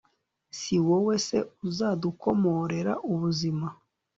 si wowe se uzadukomorera ubuzima,